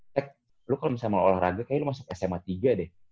tek lu kalo misalnya mau olahraga kayaknya lu masuk sma tiga deh